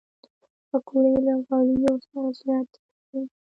پکورې له غوړیو سره زیاتې پخېږي